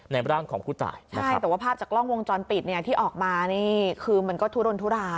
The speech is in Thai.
ร่างของผู้ตายใช่แต่ว่าภาพจากกล้องวงจรปิดเนี่ยที่ออกมานี่คือมันก็ทุรนทุราย